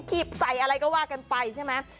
บใส่อะไรก็ว่ากันไปใช่ไหม